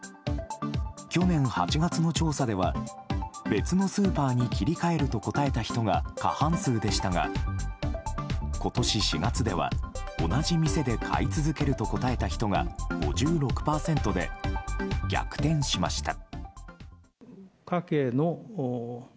去年８月の調査では別のスーパーに切り替えると答えた人が過半数でしたが今年４月では、同じ店で買い続けると答えた人が５６％で逆転しました。